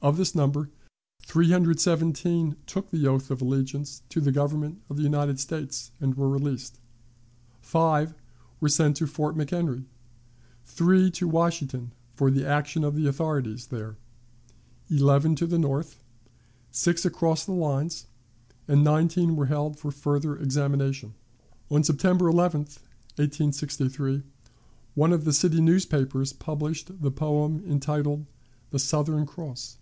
Of this number, 317 took the oath of allegiance to the Government of the United States, and were released; 5 were sent to Fort McHenry, 3 to Washington for the action of the authorities there, 11 to the North, 6 across the lines, and 19 were held for further examination. On September 11, 1863, one of the city newspapers published the poem entitled "The Southern Cross."